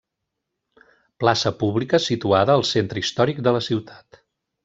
Plaça pública situada al centre històric de la ciutat.